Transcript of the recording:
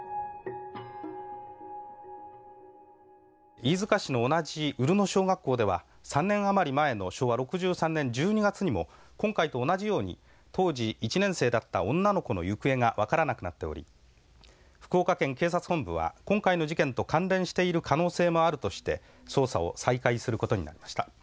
飯塚市の同じ潤野小学校では３年余り前の昭和６３年１２月にも今回と同じように当時１年生だった女の子の行方が分からなくなっており福岡県警察本部は今回の事件と関連している可能性もあるとして捜査を再開することになりました。